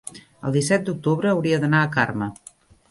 el disset d'octubre hauria d'anar a Carme.